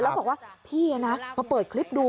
แล้วบอกว่าพี่มาเปิดคลิปดู